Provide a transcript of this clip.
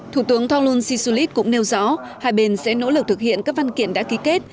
thủ tướng thonglun sisulit cũng nêu rõ hai bên sẽ nỗ lực thực hiện các văn kiện đã ký kết